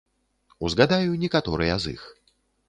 Узгадаю некаторыя з іх.